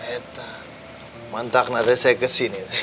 eh tak mantap nanti saya kesini teh